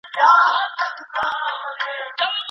که دوی خپلو خوبونو ته پلان جوړ کړي نو رښتیا کیږي.